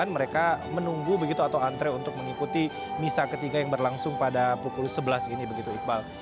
mereka menunggu begitu atau antre untuk mengikuti misa ketiga yang berlangsung pada pukul sebelas ini begitu iqbal